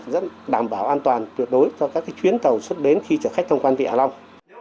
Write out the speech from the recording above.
rất đảm bảo an toàn tuyệt đối cho các chuyến tàu xuất đến khi trở khách tham quan vịnh hạ long